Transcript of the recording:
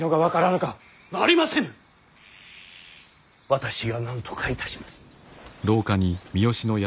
私がなんとかいたします。